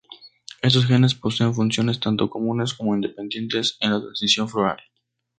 Estos genes poseen funciones tanto comunes como independientes en la transición floral.